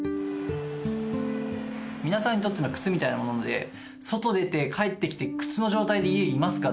皆さんにとっての靴みたいなもので、外出て、帰ってきて、靴の状態で家いますか？